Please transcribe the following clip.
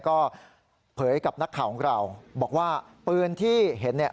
ก็เผยกับนักข่าวของเราบอกว่าปืนที่เห็นเนี่ย